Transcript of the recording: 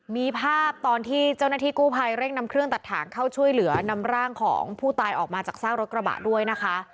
มีภาพตอนที่เจ้าหน้าที่กู้ภัยเร่งนำเครื่องตัดถ่างเข้าช่วยเหลือนำร่างของผู้ตายออกมาจากซากรถกระบะด้วยนะคะ